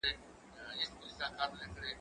زه پرون سبزیجات جمع کوم